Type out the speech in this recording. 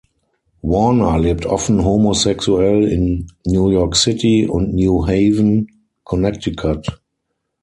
Warner lebt offen homosexuell in New York City und New Haven, Connecticut.